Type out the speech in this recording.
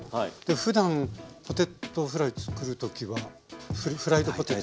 ふだんポテトフライ作る時はフライドポテト。